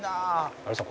有吉さん